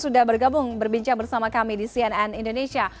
sudah bergabung berbincang bersama kami di cnn indonesia